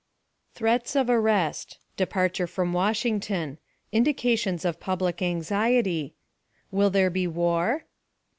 Threats of Arrest. Departure from Washington. Indications of Public Anxiety. "Will there be war?"